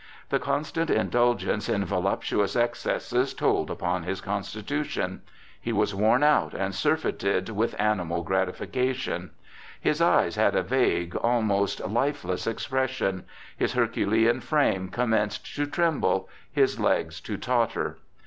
The constant indulgence in voluptuous excesses told upon his constitution; he was worn out and surfeited with animal gratification; his eyes had a vague, almost lifeless expression; his herculean frame commenced to tremble, his legs to totter.